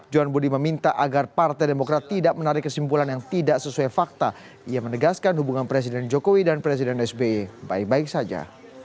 johan budi meminta agar partai demokrat tidak menarik kesimpulan yang tidak sesuai fakta ia menegaskan hubungan presiden jokowi dan presiden sby baik baik saja